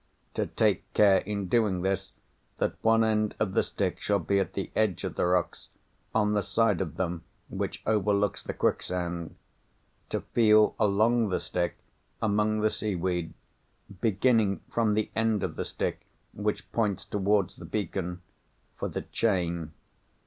To take care, in doing this, that one end of the stick shall be at the edge of the rocks, on the side of them which overlooks the quicksand. To feel along the stick, among the seaweed (beginning from the end of the stick which points towards the beacon), for the Chain.